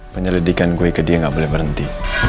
penyelidikan gue ke dia nggak boleh berhenti